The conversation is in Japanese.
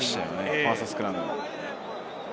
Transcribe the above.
ファーストスクラム。